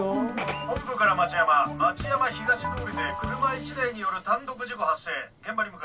本部から町山町山東通りで車１台による単独事故発生現場に向かえ。